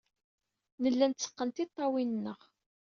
Nella netteqqen tiṭṭawin-nneɣ.